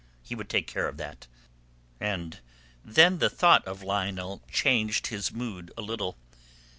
He would take care of that. And then the thought of Lionel changed his mood a little.